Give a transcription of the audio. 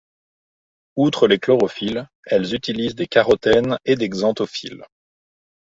Outre les chlorophylles, elles utilisent des carotènes et des xanthophylles.